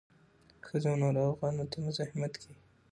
ښځو او ناروغانو ته مزاحمت کیږي.